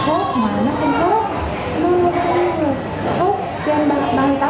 thuốc mà nó không thuốc nó không được sốt trên ba mươi tám độ sáu